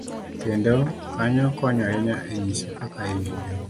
kendo, kanyo konyo ahinya e nyiso kaka iwinjo